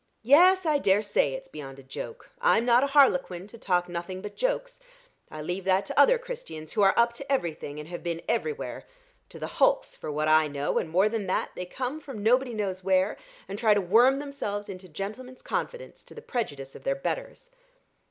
"Yes, I dare say it's beyond a joke. I'm not a harlequin to talk nothing but jokes. I leave that to other Christians, who are up to everything, and have been everywhere to the hulks, for what I know; and more than that, they come from nobody knows where, and try to worm themselves into gentlemen's confidence, to the prejudice of their betters."